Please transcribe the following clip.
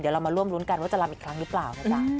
เดี๋ยวเรามาร่วมรุ้นกันว่าจะลำอีกครั้งหรือเปล่านะจ๊ะ